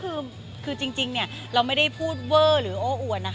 ใช่ค่ะคือจริงนะเราไม่ได้พูดเว่ร์หรือโอ้อวน